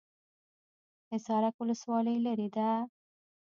حصارک ولسوالۍ لیرې ده؟